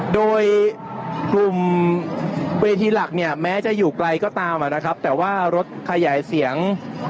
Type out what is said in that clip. โดยกลุ่มเวทีหลักเนี่ยแม้จะอยู่ไกลก็ตามนะครับแต่ว่ารถขยายเสียง